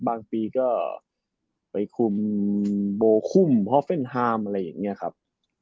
บางปีก็ไปคุมโบคุมฮอฟเฟ่นฮามอะไรอย่างนี้ครับ